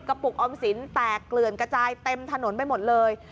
ปุกออมสินแตกเกลื่อนกระจายเต็มถนนไปหมดเลย